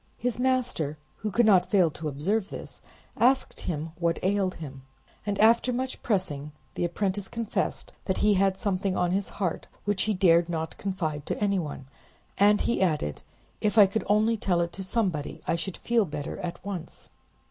His master, who could not fail to observe this, asked him what ailed him, and after much pressing the apprentice confessed that he had something on his heart which he dared not confide to anyone, and he added, "If I could only tell it to somebody, I should feel better at once."